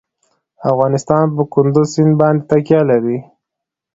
افغانستان په کندز سیند باندې تکیه لري.